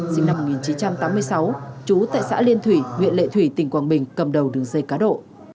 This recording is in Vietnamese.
sinh năm một nghìn chín trăm tám mươi sáu trú tại xã liên thủy huyện lệ thủy tỉnh quảng bình cầm đầu đường dây cá độ